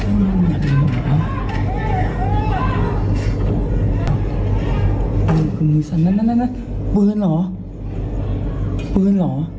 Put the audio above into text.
รู้จักกันหรอ